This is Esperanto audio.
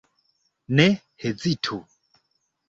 Ne hezitu!